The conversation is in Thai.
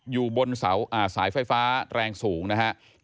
อยู่บนสายไฟฟ้าแรงสูงนะครับ